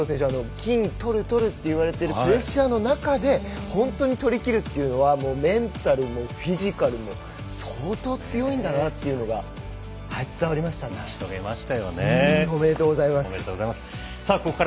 金取る、取ると言われているプレッシャーの中で本当に取りきるというのはメンタルもフィジカルも相当強いんだなというのが伝わりました。